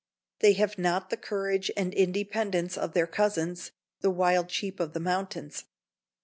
They have not the courage and independence of their cousins, the wild sheep of the mountains.